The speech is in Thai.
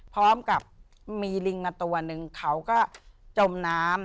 พร้อมกับมีลิงมาตัวนึงเขาก็จมน้ำ